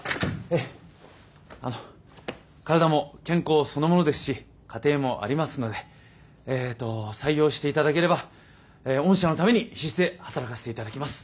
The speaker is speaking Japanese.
あの体も健康そのものですし家庭もありますのでえっと採用していただければ御社のために必死で働かせていただきます！